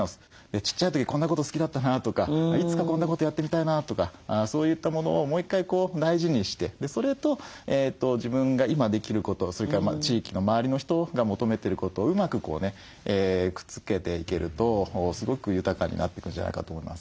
ちっちゃい時こんなこと好きだったなとかいつかこんなことやってみたいなとかそういったものをもう１回大事にしてそれと自分が今できることをそれから地域の周りの人が求めてることをうまくくっつけていけるとすごく豊かになってくんじゃないかと思います。